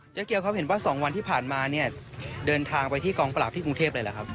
เกียวครับเห็นว่า๒วันที่ผ่านมาเนี่ยเดินทางไปที่กองปราบที่กรุงเทพเลยหรือครับ